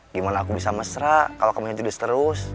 gimana aku bisa mesra kalau kamu yang tidur terus